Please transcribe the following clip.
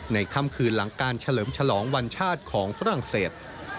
ค่ำคืนหลังการเฉลิมฉลองวันชาติของฝรั่งเศส